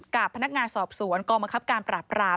กับพนักงานสอบสวนกองบังคับการปราบราม